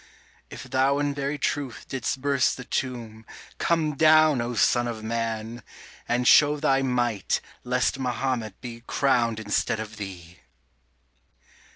If Thou in very truth didst burst the tomb Come down, O Son of Man! and show Thy might Lest Mahomet be crowned instead of Thee!